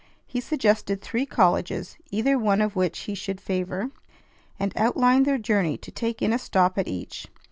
He suggested three colleges, either one of which he should favor, and outlined their journey to take in a stop at each.